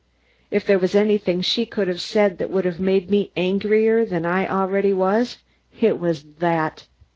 If there was anything she could have said that would have made me angrier than I already was, it was that.